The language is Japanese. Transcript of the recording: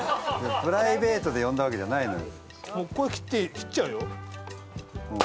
プライベートで呼んだわけじゃないのよ。